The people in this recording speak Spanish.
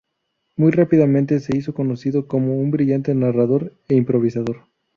Muy rápidamente se hizo conocido como un brillante narrador e improvisador.